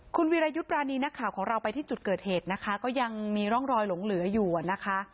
คุณวิรายุทธ์ปรานีนักข่าวของเราไปที่จุดเกิดเหตุนะคะก็ยังมีร่องรอยหลงเหลืออยู่นะคะ